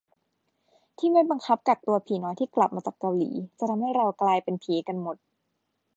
ที่ไม่บังคับกักตัวผีน้อยที่กลับมาจากเกาหลี จะทำให้เรากลายเป็นผีกันหมด